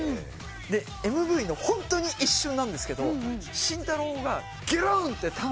でＭＶのホントに一瞬なんですけど慎太郎がぎゅるんってターンする瞬間が。